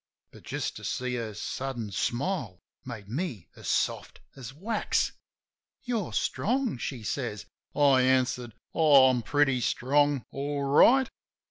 (But, just to see her sudden smile, made me as soft as wax.) "You're strong," she smiles. I answers, "Oh, I'm pretty strong, all right."